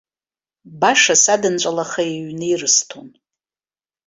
Баша садынҵәалаха иҩны ирысҭон.